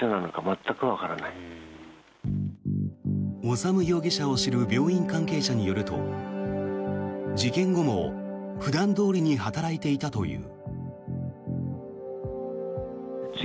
修容疑者を知る病院関係者によると事件後も普段どおりに働いていたという。